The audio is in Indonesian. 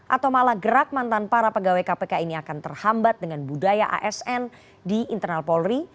atau malah gerak mantan para pegawai kpk ini akan terhambat dengan budaya asn di internal polri